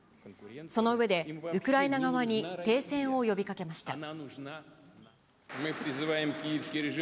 その上で、ウクライナ側に停戦を呼びかけました。